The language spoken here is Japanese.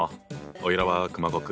おいらは熊悟空。